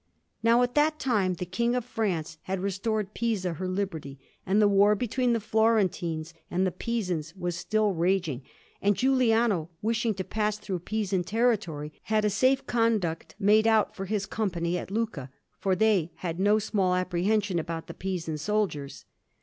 Now at that time the King of France had restored Pisa her liberty, and the war between the Florentines and the Pisans was still raging; and Giuliano, wishing to pass through Pisan territory, had a safe conduct made out for his company at Lucca, for they had no small apprehension about the Pisan soldiers.